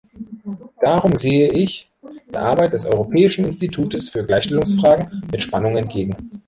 Darum sehe ich der Arbeit des Europäischen Instituts für Gleichstellungsfragen mit Spannung entgegen.